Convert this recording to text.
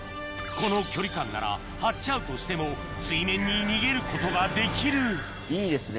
この距離間ならハッチアウトしても水面に逃げることができるいいですね。